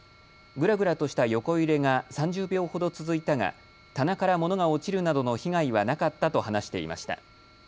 ぐらぐらとした横揺れが３０秒ほど続いたが棚から物が落ちるなどの被害はなかったと話していました。